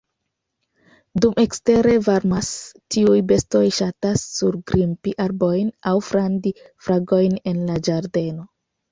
Dum ekstere varmas, tiuj bestoj ŝatas surgrimpi arbojn aŭ frandi fragojn en la ĝardeno.